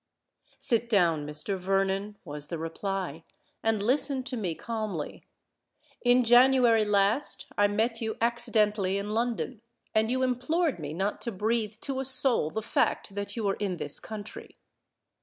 "Sit down, Mr. Vernon," was the reply; "and listen to me calmly. In January last I met you accidentally in London; and you implored me not to breathe to a soul the fact that you were in this country."